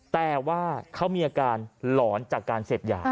แต่ว่าเขามีอาการหลอนจากการเสพยา